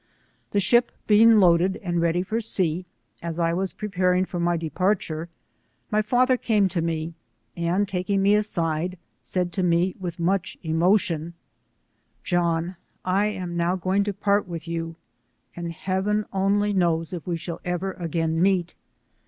The ship being loaded and ready for sea, as I was preparing for my departure, my father came to me, and taking me aside, said to me with much emotion, John, I am now going to part with you, and heaven only knows if we shall ever again meet.